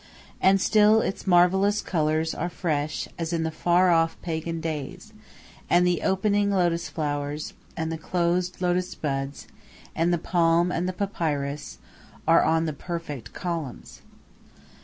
And still its marvellous colors are fresh as in the far off pagan days, and the opening lotus flowers, and the closed lotus buds, and the palm and the papyrus, are on the perfect columns.